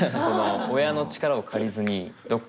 親の力を借りずにどっか。